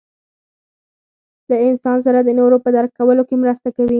له انسان سره د نورو په درک کولو کې مرسته کوي.